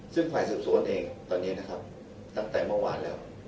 ซึ่งฝ่ายสืบสวนเองตอนนี้นะครับตั้งแต่เมื่อวานแล้ว